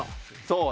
そう。